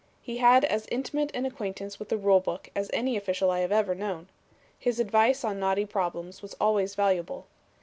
He had as intimate an acquaintance with the rule book as any official I have ever known. His advice on knotty problems was always valuable.